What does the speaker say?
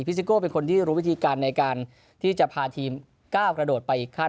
ซิโก้เป็นคนที่รู้วิธีการในการที่จะพาทีมก้าวกระโดดไปอีกขั้น